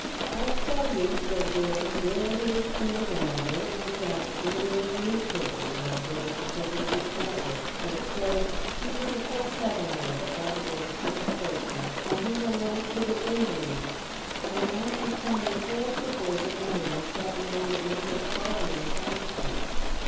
" I tell you," said Billy, " there it is printed, and I read it myself — it's in the old newspaper we had give us to cover the big kite with, and it says he was a poor cabin boy that got aboard a ship at Ports mouth, and he went over to the Ingies, and now he's come home with whole shiploads of money, and has got made a member of Parliament in consequence.